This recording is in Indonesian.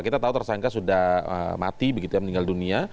kita tahu tersangka sudah mati begitu ya meninggal dunia